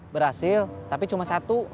berhasil tapi cuma satu